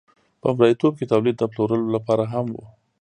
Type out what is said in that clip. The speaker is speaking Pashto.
په مرئیتوب کې تولید د پلورلو لپاره هم و.